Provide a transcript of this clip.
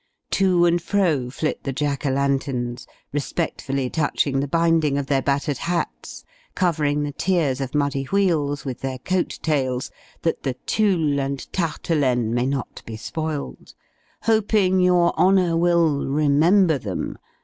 To and fro, flit the Jack o' lanthorns, respectfully touching the binding of their battered hats, covering the tiers of muddy wheels with their coat tails, that the tulle and tartelaine may not be spoiled hoping your Honour will "remember" them!